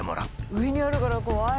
上にあるから怖い！